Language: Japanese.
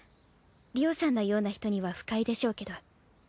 莉央さんのような人には不快でしょうけど。